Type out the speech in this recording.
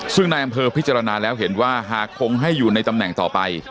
ซึ่งนายอำเภอพิจารณาแล้วเห็นว่าหากคงให้อยู่ในตำแหน่งต่อไป